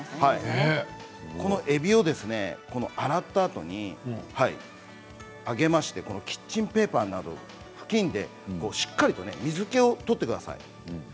このえびをですね、洗ったあとにあげましてキッチンペーパーなど布巾でしっかりと水けを取ってください。